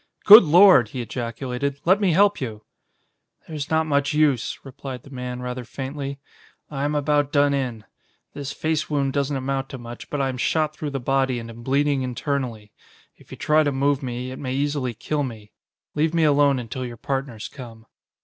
"Good Lord!" he ejaculated. "Let me help you." "There's not much use," replied the man rather faintly. "I am about done in. This face wound doesn't amount to much, but I am shot through the body and am bleeding internally. If you try to move me, it may easily kill me. Leave me alone until your partners come."